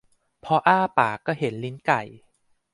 พออ้าปากก็เห็นลิ้นไก่